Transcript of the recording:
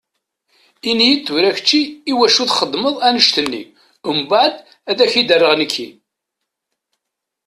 Ini-d tura kečči iwacu i txedmeḍ annect-nni, umbaɛed ad ak-d-rreɣ nekki.